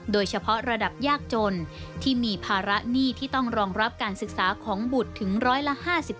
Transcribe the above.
โดยเฉพาะระดับยากจนที่มีภาระหนี้ที่ต้องรองรับการศึกษาของบุตรถึงร้อยละ๕๓